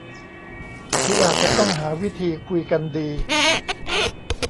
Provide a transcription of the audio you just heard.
ที่อาจจะต้องหาวิธีคุยกันดี